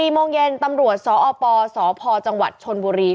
๔โมงเย็นตำรวจสอปสพจชนบุรี